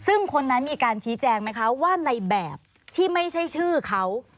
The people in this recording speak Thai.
ซึ่งคนนั้นมีการชี้แจงไหมคะว่าในแบบที่ไม่ใช่ชื่อเขา